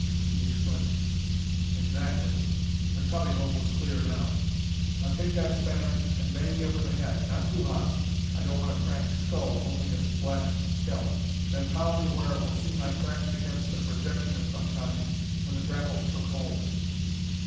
he exclaimed. "Exactly." The cubby hole was clear now. "Now take that spanner, and bang me over the head. Not too hard; I don't want a cracked skull, only a splashed scalp. Then pile me where it will seem I crashed against a projection of some kind when the grapples took hold.